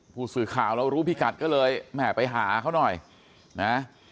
ผู้สื่อข่าวเรารู้พี่กัดก็เลยแม่ไปหาเขาหน่อยนะ